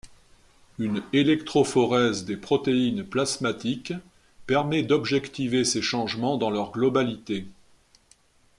Une électrophorèse des protéines plasmatiques permet d'objectiver ces changement dans leur globalité.